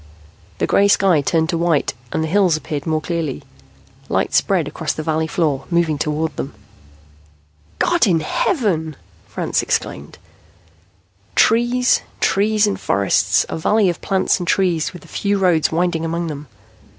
The gray sky turned to white and the hills appeared more clearly. Light spread across the valley floor, moving toward them. "God in heaven!" Franks exclaimed. Trees, trees and forests. A valley of plants and trees, with a few roads winding among them.